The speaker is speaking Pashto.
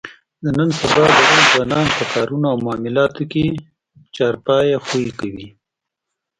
د نن سبا ډېری ځوانان په کارونو او معاملاتو کې چارپایه خوی کوي.